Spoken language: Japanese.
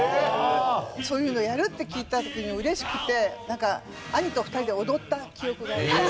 そういうのをやるって聞いた時に嬉しくてなんか兄と２人で踊った記憶が。